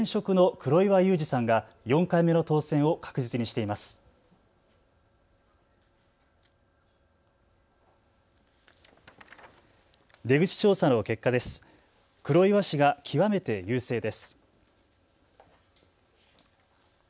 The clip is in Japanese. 黒岩氏が極めて優勢です。